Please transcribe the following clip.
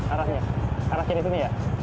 arahnya arah kiri itu nih ya